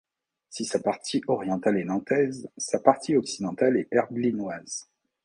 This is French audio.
Si sa partie orientale est nantaise, sa partie occidentale est herblinoise.